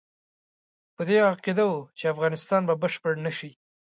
په دې عقیده وو چې افغانستان به بشپړ نه شي.